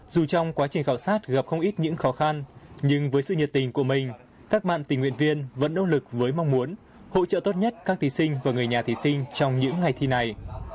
dù trong quá trình khảo sát gặp không ít những khó khăn nhưng với sự nhiệt tình của mình các bạn tình nguyện viên vẫn nỗ lực với mong muốn hỗ trợ tốt nhất các thí sinh và người nhà thí sinh trong những ngày thi này